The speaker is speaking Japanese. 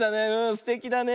すてきだね。